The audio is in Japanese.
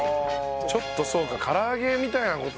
ちょっとそうか唐揚げみたいな事なのか。